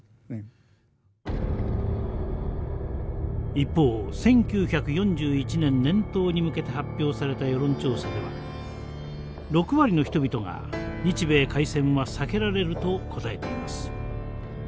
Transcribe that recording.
一方１９４１年年頭に向けて発表された世論調査では６割の人々が「日米開戦は避けられる」と答えています。